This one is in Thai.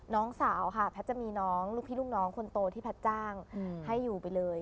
น้องสาวค่ะแพทย์จะมีน้องลูกพี่ลูกน้องคนโตที่แพทย์จ้างให้อยู่ไปเลย